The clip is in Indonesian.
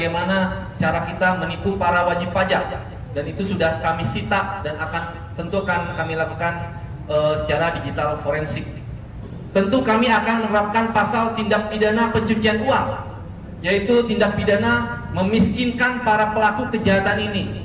itu tindak pidana memiskinkan para pelaku kejahatan ini